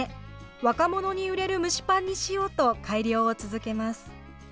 若者に売れる蒸しパンにしようと改良を続けます。